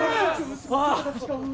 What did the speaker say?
ああ！